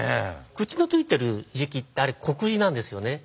口の付いている「喰」ってあれ国字なんですよね。